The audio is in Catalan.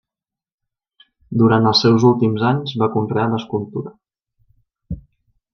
Durant els seus últims anys va conrear l'escultura.